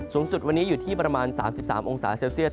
สูงสุดวันนี้อยู่ที่ประมาณ๓๓องศาเซลเซียต